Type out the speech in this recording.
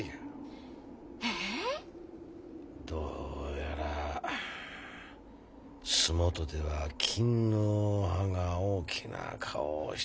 どうやら洲本では勤皇派が大きな顔をしているらしい。